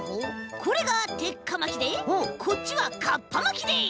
これがてっかまきでこっちはかっぱまきでい！